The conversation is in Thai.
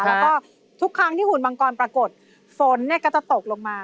แล้วก็ทุกครั้งที่หุ่นมังกรปรากฏฝนก็จะตกลงมา